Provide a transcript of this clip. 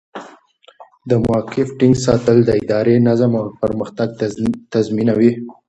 د موقف ټینګ ساتل د ادارې نظم او پرمختګ تضمینوي.